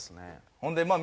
ほんでまあ。